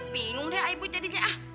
bingung deh ibu jadinya